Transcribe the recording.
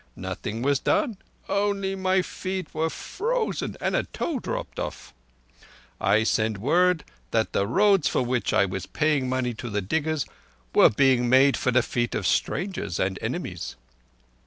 Nothing was done. Only my feet were frozen, and a toe dropped off. I sent word that the roads for which I was paying money to the diggers were being made for the feet of strangers and enemies."